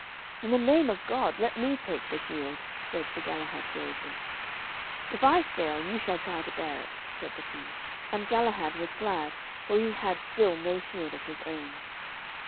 'In the name of God, let me take the shield,' said Sir Galahad gravely. 'If I fail, you shall try to bear it,' said the King. And Galahad was glad, for he had still no shield of his own.